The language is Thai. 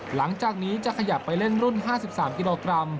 หลังจากนี้จะขยับไปเล่นรุ่น๕๓กิโลกรัม